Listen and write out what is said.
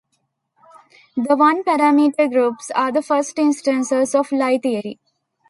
The one-parameter groups are the first instance of Lie theory.